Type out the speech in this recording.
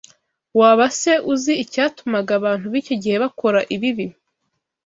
Waba se uzi icyatumaga abantu b’icyo gihe bakora ibibi